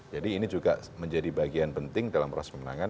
jadi ini juga menjadi bagian penting dalam proses pemenangan